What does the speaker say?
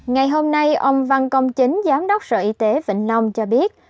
ngày hôm nay ông văn công chính giám đốc sở y tế vĩnh long cho biết